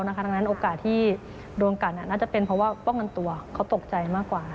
ดังนั้นโอกาสที่โดนกัดน่าจะเป็นเพราะว่าป้องกันตัวเขาตกใจมากกว่า